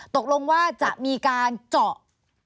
ตกลงว่าจะมีการเจาะ